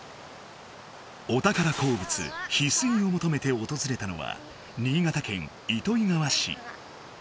お宝鉱物ヒスイをもとめておとずれたのは新潟県糸魚川市。